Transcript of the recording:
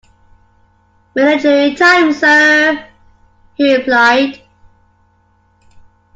"Military time, sir," he replied.